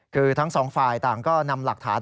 คือทั้งสองฝ่ายต่างก็นำหลักฐาน